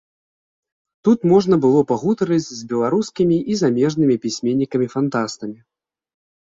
Тут можна было пагутарыць з беларускімі і замежнымі пісьменнікамі-фантастамі.